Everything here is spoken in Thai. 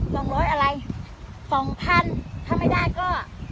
สองร้อยอะไรสองพันถ้าไม่ได้ก็